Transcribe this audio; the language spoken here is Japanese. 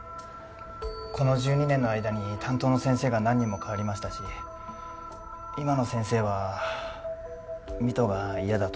この１２年の間に担当の先生が何人も代わりましたし今の先生は美都が嫌だと。